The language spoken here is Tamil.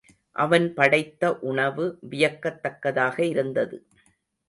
அவன் படைத்த உணவு வியக்கத்தக்கதாக இருந்தது.